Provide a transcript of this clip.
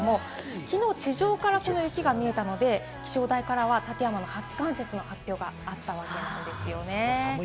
地上からきのう雪が見えたので、気象台からは立山から初冠雪の発表があったわけなんです。